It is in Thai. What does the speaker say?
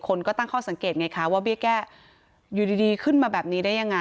คนก็ตั้งข้อสังเกตไงคะว่าเบี้ยแก้อยู่ดีขึ้นมาแบบนี้ได้ยังไง